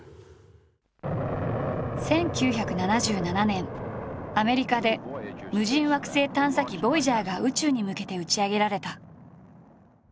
１９７７年アメリカで無人惑星探査機ボイジャーが宇宙に向けて打ち上げられた。